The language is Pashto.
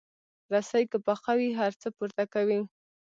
رسۍ که پخه وي، هر څه پورته کوي.